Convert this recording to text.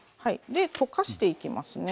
で溶かしていきますね。